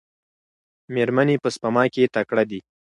میرمنې په سپما کې تکړه دي.